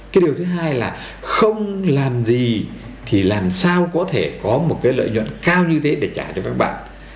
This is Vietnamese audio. cái điều thứ hai là không làm gì thì làm sao có thể có một cái lợi nhuận cao như thế để trả cho các bạn